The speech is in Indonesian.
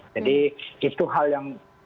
jadi itu hal yang